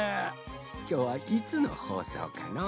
きょうはいつのほうそうかのう。